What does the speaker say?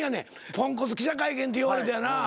ポンコツ記者会見って言われてやな。